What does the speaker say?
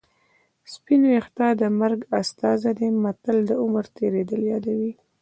سپین ویښته د مرګ استازی دی متل د عمر تېرېدل یادوي